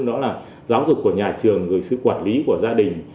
đó là giáo dục của nhà trường rồi sự quản lý của gia đình